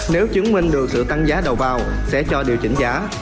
nếu chứng minh được sự tăng giá đầu vào sẽ cho điều chỉnh giá